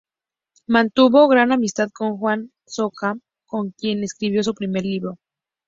Mantuvo gran amistad con Juan Soca, con quien escribió su primer libro.